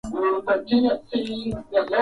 okta wilbrod sur akiwa anaongoza na majimbo kumi